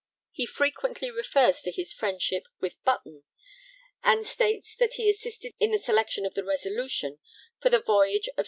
He frequently refers to his friendship with Button, and states that he assisted in the selection of the Resolution for the voyage of 1612.